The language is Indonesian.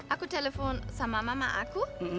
aku telepon sama mama aku